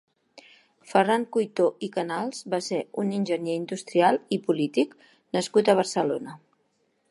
Ferran Cuito i Canals va ser un enginyer industrial i polític nascut a Barcelona.